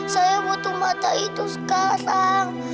saya butuh mata itu sekarang